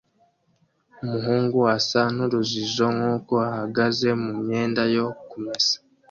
Umugore asa nurujijo nkuko ahagaze mumyenda yo kumesa